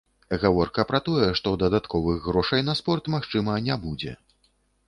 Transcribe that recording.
Гаворка пра тое, што дадатковых грошай на спорт, магчыма, не будзе.